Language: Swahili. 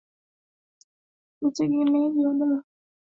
sheria hiyo haihusiani tu na utegemeaji wa dawa